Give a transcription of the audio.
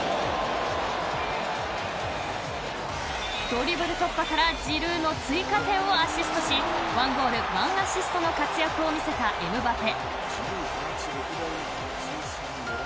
ドリブル突破からジルーの追加点をアシストし１ゴール１アシストの活躍を見せたエムバペ。